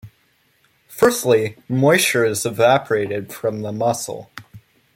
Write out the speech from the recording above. Firstly, moisture is evaporated from the muscle.